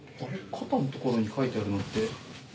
肩の所に書いてあるのって。